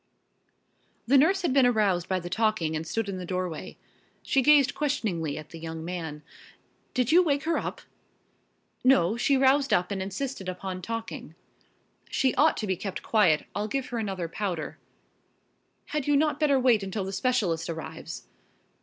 The nurse had been aroused by the talking and stood in the doorway. She gazed questioningly at the young man. "Did you wake her up?" "No, she roused up and insisted upon talking." "She ought to be kept quiet. I'll give her another powder." "Had you not better wait until the specialist arrives?"